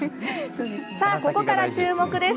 さあここから注目です。